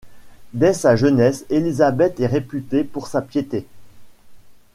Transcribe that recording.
Dès sa jeunesse Élisabeth est réputée pour sa piété.